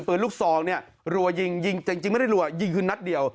ปืนลูกซองเนี่ยรัวยิงยิงจริงไม่ได้รัวยิงคือนัดเดียว